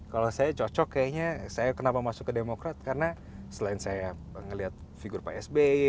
kalau saya cocok kayaknya saya kenapa masuk ke demokrat karena selain saya melihat figur pak sby